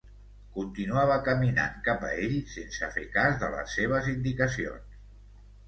Continuava caminant cap a ells sense fer cas de les seves indicacions.